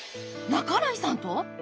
半井さんと！？